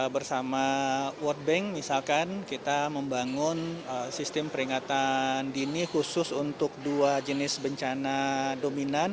bersama world bank misalkan kita membangun sistem peringatan dini khusus untuk dua jenis bencana dominan